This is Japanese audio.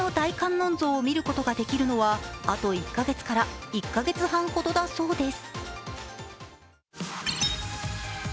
音像を見ることができるのは、あと１か月から１か月半ほどだそうです。